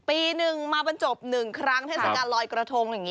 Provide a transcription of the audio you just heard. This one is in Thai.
ปีหนึ่งมาบันจบหนึ่งครั้งเทศกาลลอยกระทง